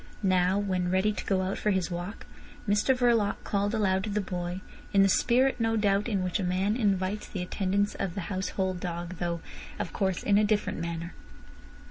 Now, when ready to go out for his walk, Mr Verloc called aloud to the boy, in the spirit, no doubt, in which a man invites the attendance of the household dog, though, of course, in a different manner.